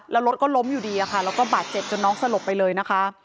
แล้วรถก็ล้มอยู่ดีค่ะแล้วก็บาดเจ็บจนน้องสลบไปเลยนะคะ